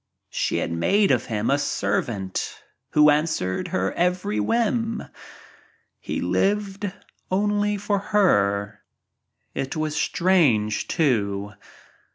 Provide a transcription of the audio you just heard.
She had made of him a servant who an swered her every whim — he lived only for her. It was strange, too.